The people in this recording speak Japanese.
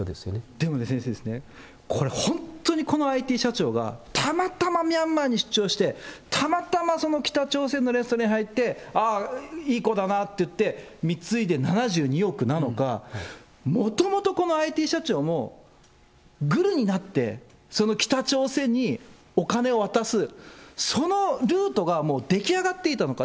でもね先生、これ本当にこのＩＴ社長が、たまたまミャンマーに出張して、たまたま北朝鮮のレストランに入って、ああ、いい子だなっていって、貢いで７２億なのか、もともとこのＩＴ社長も、ぐるになって、その北朝鮮にお金を渡す、そのルートが、もう出来上がっていたのか。